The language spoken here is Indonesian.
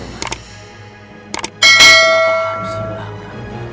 kenapa harus silahkan